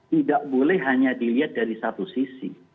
tidak boleh hanya dilihat dari satu sisi